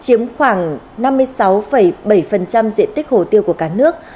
chiếm khoảng năm mươi sáu bảy diện tích hồ tiêu của cả nước